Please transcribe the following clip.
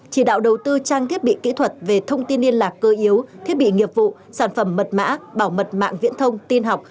chỉ đạo đầu tư trang thiết bị kỹ thuật về thông tin liên lạc cơ yếu thiết bị nghiệp vụ sản phẩm mật mã bảo mật mạng viễn thông tin học